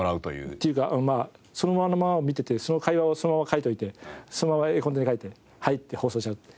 っていうかまあそのままを見ててその会話をそのまま書いておいてそのまま絵コンテに描いてはいって放送しろって。